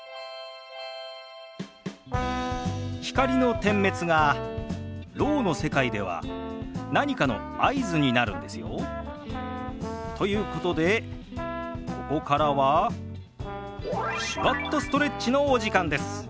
光の点滅がろうの世界では何かの合図になるんですよ。ということでここからは「手話っとストレッチ」のお時間です。